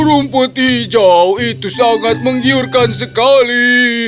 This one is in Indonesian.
rumput hijau itu sangat menggiurkan sekali